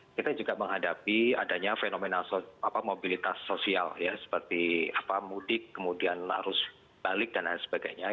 kita juga menghadapi adanya fenomena mobilitas sosial ya seperti mudik kemudian arus balik dan lain sebagainya